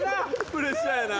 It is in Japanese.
プレッシャーやな。